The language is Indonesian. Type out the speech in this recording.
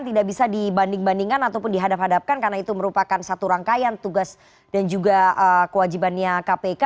tidak bisa dibanding bandingkan ataupun dihadap hadapkan karena itu merupakan satu rangkaian tugas dan juga kewajibannya kpk